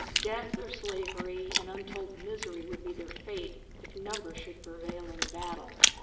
Death or slavery and untold misery would be their fate if numbers should prevail in the battle.